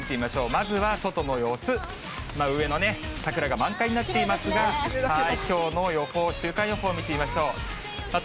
まずは外の様子、一番うえの桜が満開になっていますが、きょうの予報、週間予報を見てみましょう。